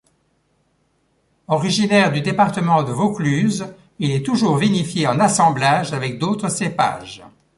Originaire du département de Vaucluse, il est toujours vinifié en assemblage avec d'autres cépages.